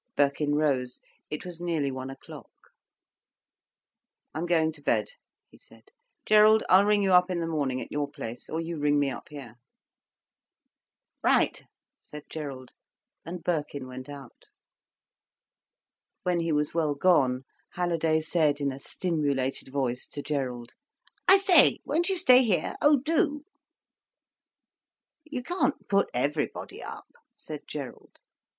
Birkin rose. It was nearly one o'clock. "I'm going to bed," he said. "Gerald, I'll ring you up in the morning at your place or you ring me up here." "Right," said Gerald, and Birkin went out. When he was well gone, Halliday said in a stimulated voice, to Gerald: "I say, won't you stay here—oh do!" "You can't put everybody up," said Gerald.